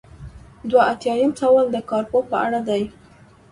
دوه ایاتیام سوال د کارپوه په اړه دی.